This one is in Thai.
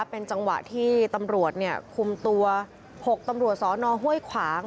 เป็นจังหวะที่ตำรวจคุมตัว๖ตำรวจสนห้วยขวาง